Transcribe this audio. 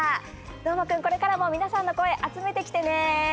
どーもくん、これからも皆さんの声、集めてきてね。